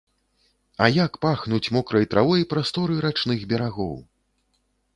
А як пахнуць мокрай травой прасторы рачных берагоў!